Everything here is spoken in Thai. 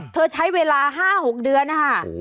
เธอใช้เวลา๕๖เดือนนะคะ